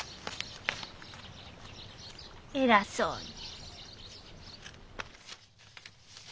偉そうに。